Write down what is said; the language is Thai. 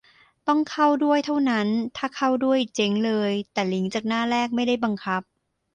ต้องเข้าด้วย เท่านั้น ถ้าเข้าด้วย เจ๊งเลย แต่ลิงก์จากหน้าแรกไม่ได้บังคับ